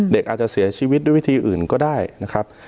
เด็กอาจจะเสียชีวิตด้วยวิธีอื่นก็ได้นะครับ